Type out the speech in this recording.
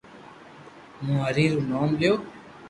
ھون ھري رو نوم ليو